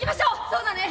そうだね。